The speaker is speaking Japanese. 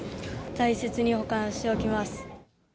大切に保管しておきます。